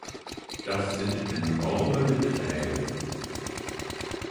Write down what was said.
Das sind enorme Beträge.